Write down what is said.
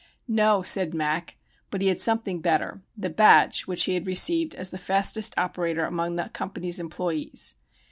No, said "Mac," but he had something better the badge which he had received as the fastest operator among the company's employees.